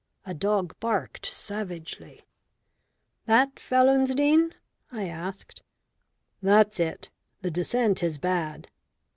A dog barked savagely. "That Felonsdene?" I asked. "That's it. The descent is bad."